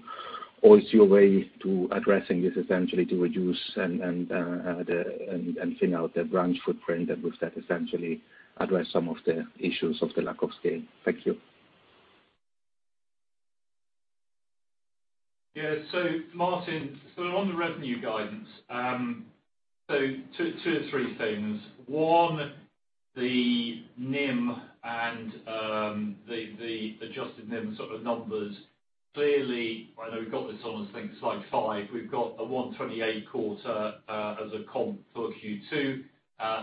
Is your way to addressing this essentially to reduce and thin out the branch footprint and with that essentially address some of the issues of the lack of scale? Thank you.
Yeah. Martin, on the revenue guidance, two or three things. One, the NIM and the adjusted NIM sort of numbers. Clearly, I know we've got this on, I think slide five. We've got a 128 quarter as a comp for Q2.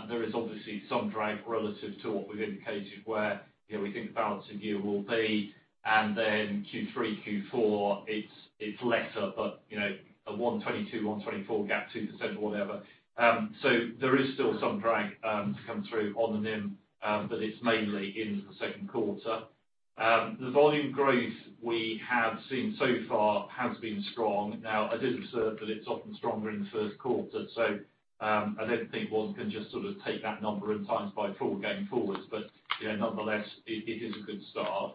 There is obviously some drag relative to what we've indicated where we think the balancing year will be, and then Q3, Q4, it's lesser, but a 122, 124 gap, 2% or whatever. There is still some drag to come through on the NIM, but it's mainly in the second quarter. The volume growth we have seen so far has been strong. Now, I did observe that it's often stronger in the first quarter, I don't think one can just sort of take that number and times by four going forwards. Nonetheless, it is a good start.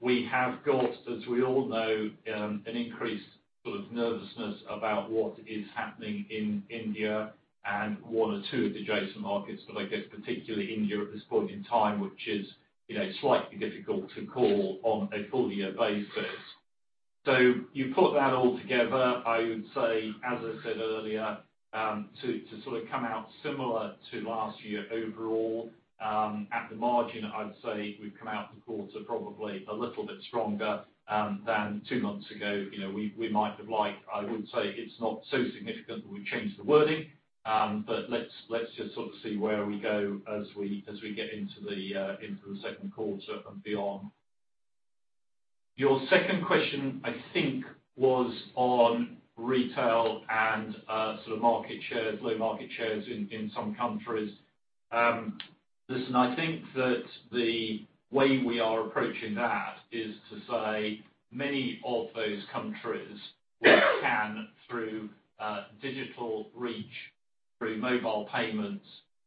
We have got, as we all know, an increased sort of nervousness about what is happening in India and one or two of the adjacent markets. I guess particularly India at this point in time, which is slightly difficult to call on a full year basis. You put that all together, I would say, as I said earlier, to sort of come out similar to last year overall. At the margin, I would say we've come out the quarter probably a little bit stronger than two months ago we might have liked. I wouldn't say it's not so significant that we changed the wording. Let's just sort of see where we go as we get into the second quarter and beyond. Your second question, I think, was on retail and sort of market shares, low market shares in some countries. Listen, I think that the way we are approaching that is to say many of those countries we can through digital reach. Through mobile payments,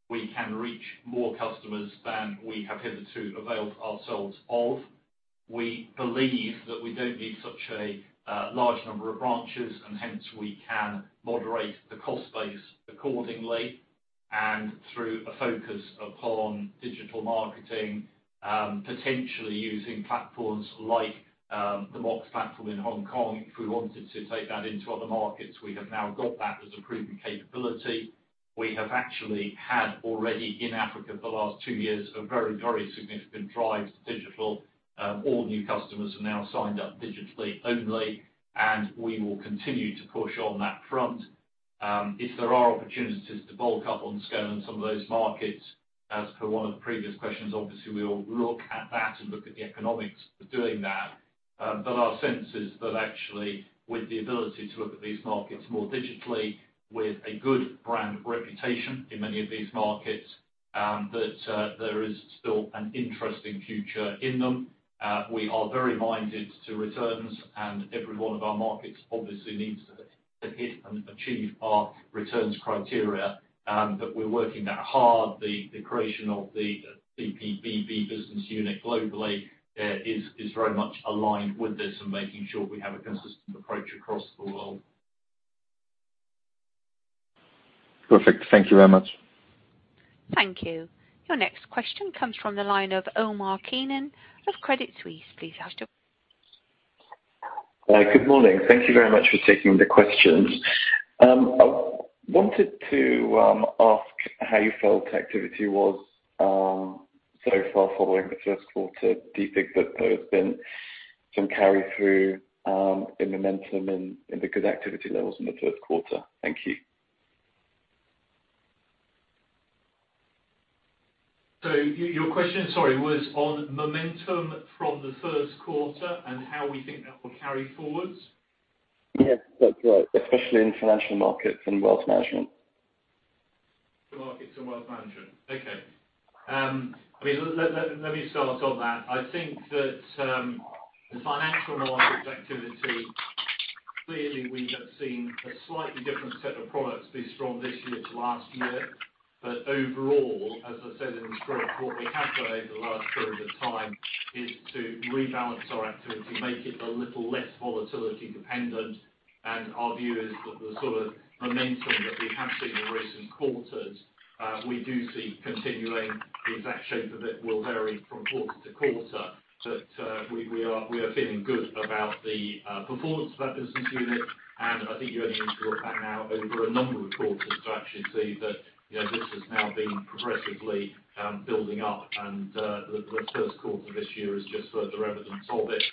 we can reach more customers than we have hitherto availed ourselves of. We believe that we don't need such a large number of branches and hence we can moderate the cost base accordingly. Through a focus upon digital marketing, potentially using platforms like the Mox platform in Hong Kong, if we wanted to take that into other markets, we have now got that as a proven capability. We have actually had already in Africa for the last two years, a very, very significant drive to digital. All new customers are now signed up digitally only, and we will continue to push on that front. If there are opportunities to bulk up on scale in some of those markets, as per one of the previous questions, obviously we will look at that and look at the economics of doing that. Our sense is that actually with the ability to look at these markets more digitally, with a good brand reputation in many of these markets, that there is still an interesting future in them. We are very minded to returns, and every one of our markets obviously needs to hit and achieve our returns criteria. We're working that hard. The creation of the CPBB business unit globally is very much aligned with this and making sure we have a consistent approach across the world.
Perfect. Thank you very much.
Thank you. Your next question comes from the line of Omar Keenan of Credit Suisse. Please ask your question.
Good morning. Thank you very much for taking the questions. I wanted to ask how you felt activity was so far following the first quarter. Do you think that there has been some carry through in momentum in the good activity levels in the first quarter? Thank you.
Your question, sorry, was on momentum from the first quarter and how we think that will carry forwards?
Yes, that's right. Especially in financial markets and wealth management.
Financial markets and wealth management. Okay. Let me start on that. I think that the financial markets activity, clearly we have seen a slightly different set of products be strong this year to last year. Overall, as I said in the script, what we have done over the last period of time is to rebalance our activity, make it a little less volatility dependent. Our view is that the sort of momentum that we have seen in recent quarters, we do see continuing. The exact shape of it will vary from quarter to quarter. We are feeling good about the performance of that business unit, and I think you only need to look back now over a number of quarters to actually see that this has now been progressively building up. The first quarter of this year is just further evidence of it.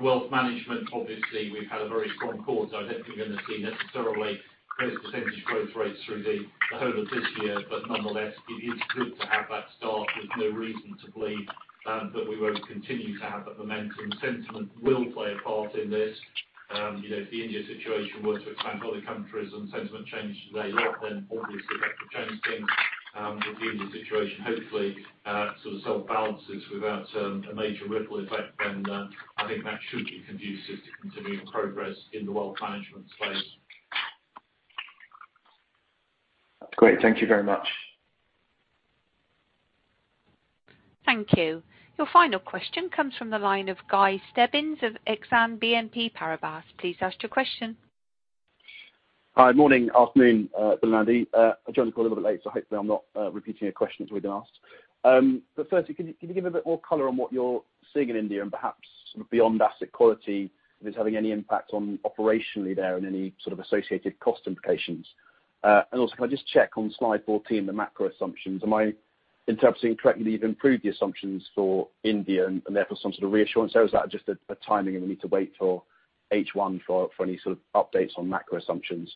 Wealth management, obviously, we've had a very strong quarter, so I don't think you're going to see necessarily those percentage growth rates through the whole of this year. Nonetheless, it is good to have that start. There's no reason to believe that we won't continue to have that momentum. Sentiment will play a part in this. If the India situation were to expand to other countries and sentiment changed a lot, then obviously that could change things. With the India situation, hopefully, sort of self-balances without a major ripple effect, then I think that should be conducive to continuing progress in the wealth management space.
That's great. Thank you very much.
Thank you. Your final question comes from the line of Guy Stebbings of Exane BNP Paribas. Please ask your question.
Hi. Morning, afternoon, Bill and Andy. I joined the call a little bit late, so hopefully I'm not repeating a question that's already been asked. Firstly, can you give a bit more color on what you're seeing in India and perhaps sort of beyond asset quality, if it's having any impact on operationally there and any sort of associated cost implications? Also, can I just check on slide 14, the macro assumptions. Am I interpreting correctly that you've improved the assumptions for India and therefore some sort of reassurance there? Is that just a timing and we need to wait for H1 for any sort of updates on macro assumptions?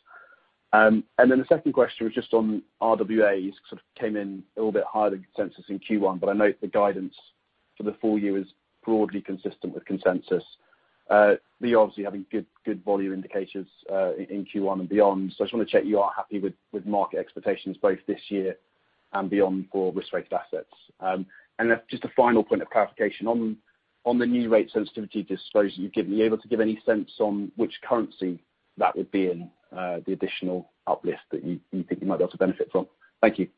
Then the second question was just on RWAs, sort of came in a little bit higher than consensus in Q1, but I note the guidance for the full year is broadly consistent with consensus. You obviously having good volume indicators, in Q1 and beyond. I just want to check you are happy with market expectations both this year and beyond for risk-rated assets. Then just a final point of clarification. On the new rate sensitivity disclosure you've given, are you able to give any sense on which currency that would be in the additional uplift that you think you might be able to benefit from? Thank you.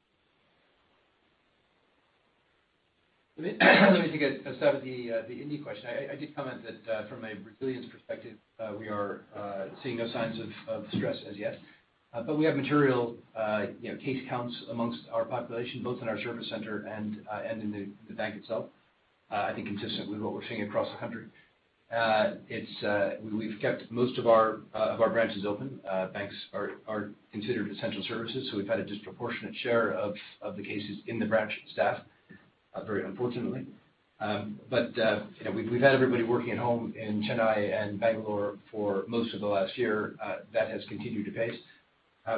Let me take a stab at the India question. I did comment that from a resilience perspective, we are seeing no signs of stress as yet. We have material case counts amongst our population, both in our service center and in the bank itself. I think consistent with what we're seeing across the country. We've kept most of our branches open. Banks are considered essential services, so we've had a disproportionate share of the cases in the branch staff, very unfortunately. We've had everybody working at home in Chennai and Bangalore for most of the last year. That has continued apace.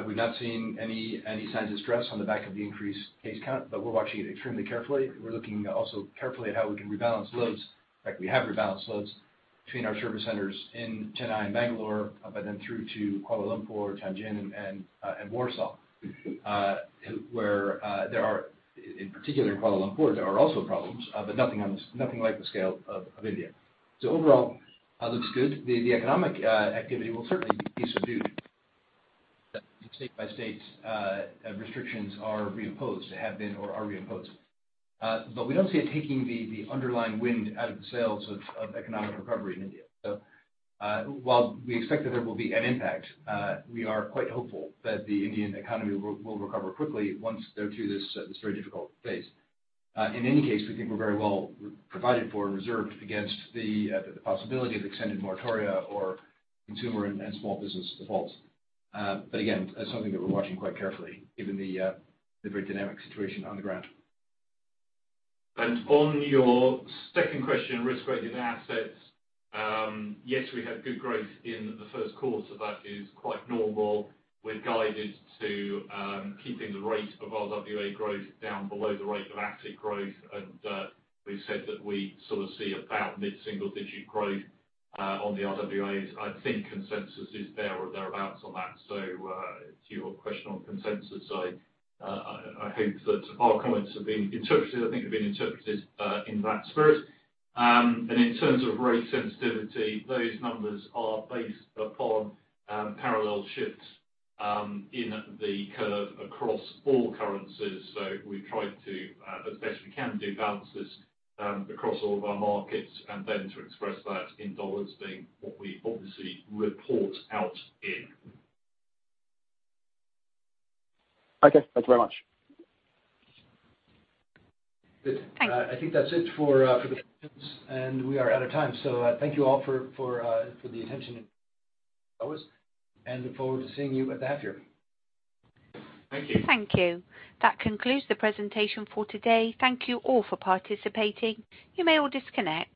We've not seen any signs of stress on the back of the increased case count, but we're watching it extremely carefully. We're looking also carefully at how we can rebalance loads. We have rebalanced loads between our service centers in Chennai and Bangalore, through to Kuala Lumpur, Tianjin, and Warsaw, where there are, in particular in Kuala Lumpur, there are also problems, nothing like the scale of India. Overall, looks good. The economic activity will certainly be subdued as state-by-state restrictions are reimposed, have been or are reimposed. We don't see it taking the underlying wind out of the sails of economic recovery in India. While we expect that there will be an impact, we are quite hopeful that the Indian economy will recover quickly once they're through this very difficult phase. In any case, we think we're very well provided for and reserved against the possibility of extended moratoria or consumer and small business defaults. Again, that's something that we're watching quite carefully given the very dynamic situation on the ground.
On your second question, risk-weighted assets. Yes, we had good growth in the first quarter. That is quite normal. We've guided to keeping the rate of RWA growth down below the rate of asset growth. We've said that we sort of see about mid-single digit growth on the RWAs. I think consensus is there or thereabouts on that. To your question on consensus, I hope that our comments have been interpreted in that spirit. In terms of rate sensitivity, those numbers are based upon parallel shifts in the curve across all currencies. We've tried to, as best we can, do balances across all of our markets and then to express that in dollars being what we obviously report out in.
Okay. Thank you very much.
Good.
Thanks.
I think that's it for the questions, and we are out of time. Thank you all for the attention and look forward to seeing you at the half year.
Thank you.
Thank you. That concludes the presentation for today. Thank you all for participating. You may all disconnect.